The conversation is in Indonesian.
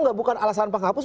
nggak bukan alasan penghapus